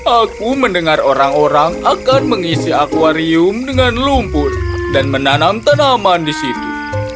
aku mendengar orang orang akan mengisi akwarium dengan lumpur dan menanam tanaman di situ